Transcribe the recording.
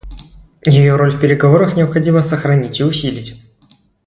Ее роль в переговорах необходимо сохранить и усилить.